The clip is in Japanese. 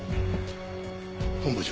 本部長。